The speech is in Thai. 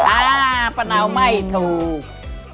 อ่าป้าเนาไม่ถูก